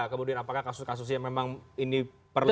kemudian apakah kasus kasusnya memang ini perlu tutup